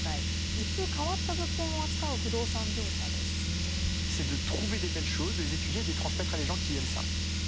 一風変わった物件を扱う不動産業者です。